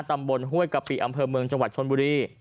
ตำบลห้วยกะปิอำเภอเมืองจังหวัดชนบุรี